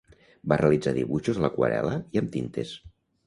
Va realitzar dibuixos a l'aquarel·la i amb tintes.